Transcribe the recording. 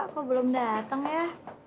kok belum dateng ya